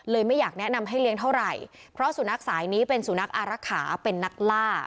ไม่อยากแนะนำให้เลี้ยงเท่าไหร่เพราะสุนัขสายนี้เป็นสุนัขอารักษาเป็นนักล่า